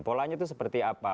polanya itu seperti apa